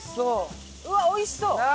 うわっおいしそう！